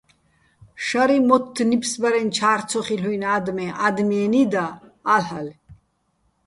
შარიჼ მოთთ ნიფსბარეჼ ჩა́რ ცო ხილ'უჲნი̆ ა́დმეჼ ადმიენი́ და, ა́ლ'ალე̆!